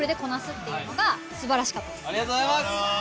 ありがとうございます！